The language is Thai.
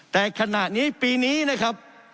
แต่ขณะนี้ปีนี้นะครับ